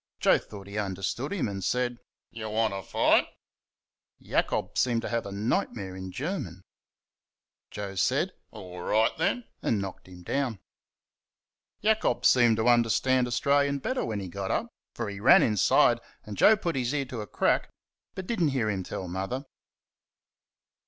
Joe thought he understood him and said: "You want to fight?" Jacob seemed to have a nightmare in German. "Orright, then," Joe said, and knocked him down. Jacob seemed to understand Australian better when he got up, for he ran inside, and Joe put his ear to a crack, but did n't hear him tell Mother.